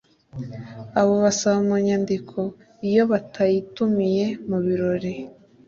abibasaba mu nyandiko Iyo batayitumiye mu birori